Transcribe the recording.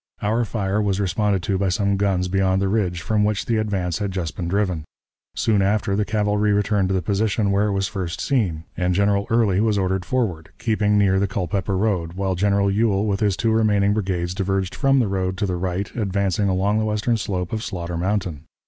Our fire was responded to by some guns beyond the ridge from which the advance had just been driven. Soon after, the cavalry returned to the position where it was first seen, and General Early was ordered forward, keeping near the Culpeper road, while General Ewell with his two remaining brigades diverged from the road to the right, advancing along the western slope of Slaughter Mountain.